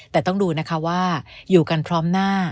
แต่ต้องดูนะคะว่าอยู่กันพร้อมหน้า